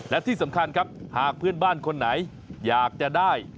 และที่สำคัญครับหากเพื่อนบ้านคนไหนอยากจะได้